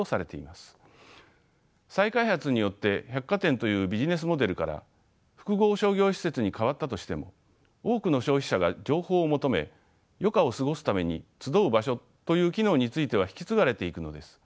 再開発によって百貨店というビジネスモデルから複合商業施設に変わったとしても多くの消費者が情報を求め余暇を過ごすために集う場所という機能については引き継がれていくのです。